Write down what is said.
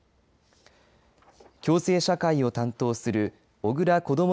共生社会を担当する小倉こども